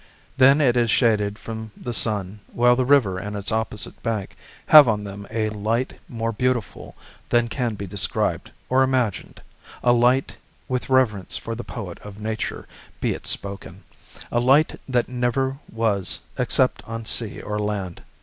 Then it is shaded from the sun, while the river and its opposite bank have on them a light more beautiful than can be described or imagined; a light with reverence for the poet of nature be it spoken a light that never was except on sea or land.